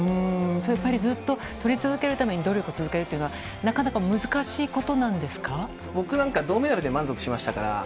やっぱりずっととり続けるために努力を続けるというのは、僕なんか、銅メダルで満足しましたから。